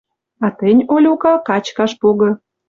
А тӹнь, Олюка, качкаш погы».